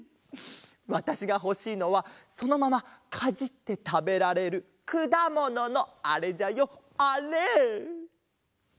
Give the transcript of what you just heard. わたしがほしいのはそのままかじってたべられるくだもののあれじゃよあれ！